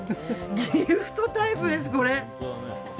ギフトタイプです、これ。